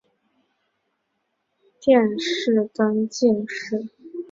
殿试登进士第三甲第八十七名。